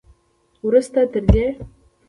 وروسته تر دې